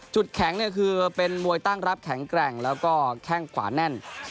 แข็งเนี่ยคือเป็นมวยตั้งรับแข็งแกร่งแล้วก็แข้งขวาแน่น